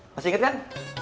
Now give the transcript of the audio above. masih inget kan